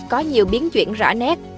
có nhiều biến chuyển rõ nét